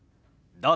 どうぞ。